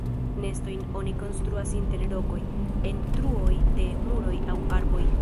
Nestojn oni konstruas inter rokoj, en truoj de muroj aŭ arboj.